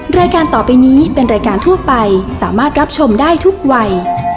รายการต่อไปนี้เป็นรายการทั่วไปสามารถรับชมได้ทุกวัย